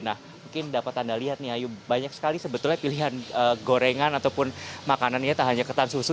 nah mungkin dapat anda lihat nih ayu banyak sekali sebetulnya pilihan gorengan ataupun makanannya tak hanya ketan susu